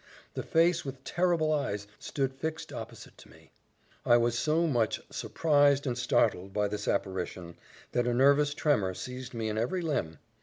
The face with terrible eyes stood fixed opposite to me. I was so much surprised and startled by this apparition, that a nervous tremor seized me in every limb.